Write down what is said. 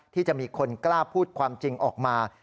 ที่จะมีคนกล้าพูดความจริงออกมา